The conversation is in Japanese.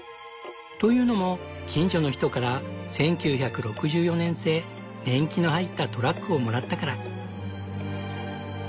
というのも近所の人から１９６４年製年季の入ったトラックをもらったから。